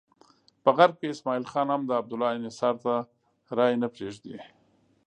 په غرب کې اسماعیل خان هم د عبدالله انحصار ته رایې نه پرېږدي.